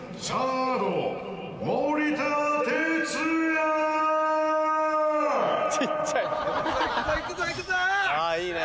小っちゃい。